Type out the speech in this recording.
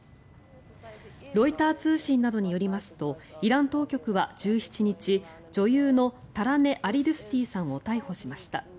ロイター通信などによりますとイラン当局は１７日女優のタラネ・アリドゥスティさんを逮捕しました。